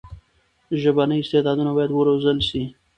ژبني استعدادونه باید وروزل سي.